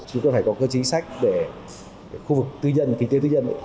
chúng ta phải có các chính sách để khu vực tư nhân kinh tế tư nhân